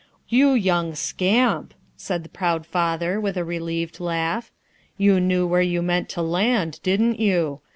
"You young scamp!" said the proud father, with a relieved laugh. "You knew where you meant to land, didn't you?